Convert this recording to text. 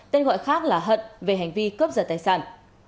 tên gọi khác là hận về hành vi cướp giật tài sản